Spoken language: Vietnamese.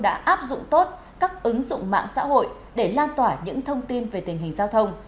đã áp dụng tốt các ứng dụng mạng xã hội để lan tỏa những thông tin về tình hình giao thông